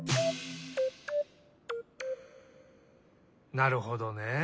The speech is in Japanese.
なるほどね。